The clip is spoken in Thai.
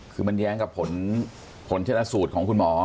คือมันแย้งกับผลชนะสูตรของคุณหมอ